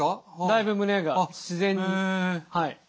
だいぶ胸が自然にはい。